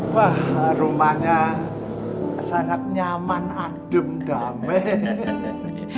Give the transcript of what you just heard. wah rumahnya sangat nyaman adem damai